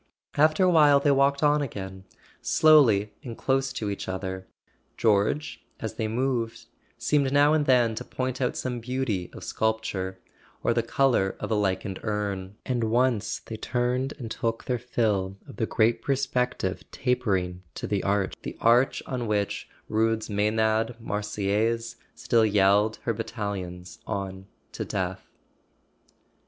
After a while they walked on again, slowly and close to each other. George, as they moved, seemed now and then to point out some beauty of sculpture, or the colour of a lichened urn; and once they turned and took their fill of the great perspective tapering to the Arch—the Arch on which Rude's Msenad Marseillaise still yelled her bat¬ talions on to death.